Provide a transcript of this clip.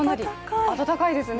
暖かいですね。